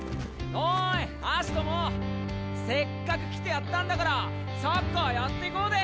せっかく来てやったんだからサッカーやっていこうで！